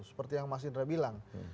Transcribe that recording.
seperti yang mas indra bilang